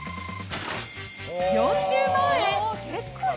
４０万円。